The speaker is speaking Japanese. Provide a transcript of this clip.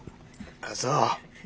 ああそう。